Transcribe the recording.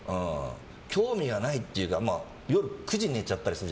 興味がないっていうか夜９時に寝ちゃったりする。